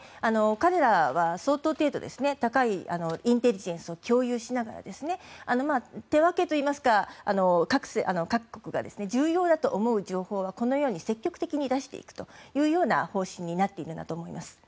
彼らは相当程度高いインテリジェンスを共有しながら手分けといいますか各国が重要だと思う情報はこのように積極的に出していくという方針になっているなと思います。